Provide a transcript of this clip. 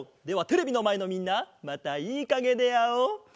ではテレビのまえのみんなまたいいかげであおう。